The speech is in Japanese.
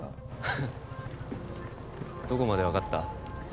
ふっどこまで分かった？